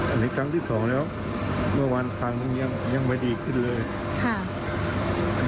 อันนี้ครั้งที่สองแล้วเมื่อวานครั้งนึงยังยังไม่ดีขึ้นเลยค่ะ